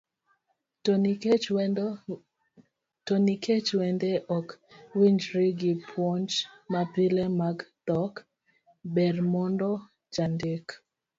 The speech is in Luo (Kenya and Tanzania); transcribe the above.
To nikech wende ok winjre gi puonj mapile mag dhok, ber mondo jandik